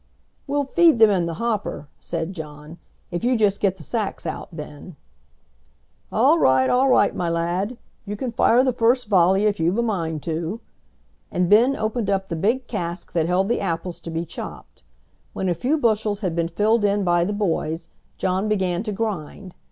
"We'll feed them in the hopper," said John, "if you just get the sacks out, Ben." "All right, all right, my lad; you can fire the first volley if you've a mind to," and Ben opened up the big cask that held the apples to be chopped. When a few bushels had been filled in by the boys John began to grind.